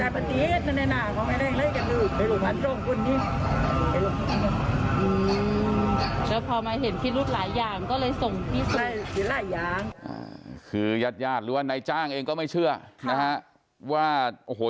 พอมาเห็นพิรุธหลายอย่างก็เลยส่งที่สุด